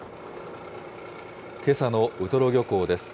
けさのウトロ漁港です。